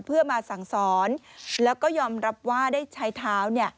เพื่อมาสั่งสอนแล้วก็ยอมรับว่าได้ใช้เท้าเนี่ย